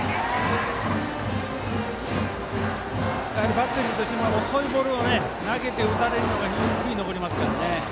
バッテリーとしても遅いボールを投げて打たれるのが非常に悔いが残りますからね。